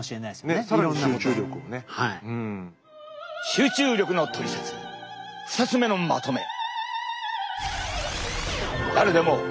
集中力のトリセツ２つ目のまとめ。